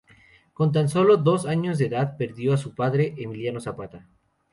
Con tan solo dos años de edad perdió a su padre, Emiliano Zapata.